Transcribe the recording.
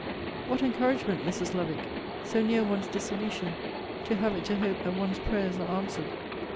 What encouragement, Mrs. Lovick, so near one's dissolution, to have it to hope that one's prayers are answered.